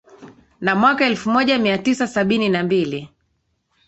na mwaka ellfu moja mia tisa sabini na mbili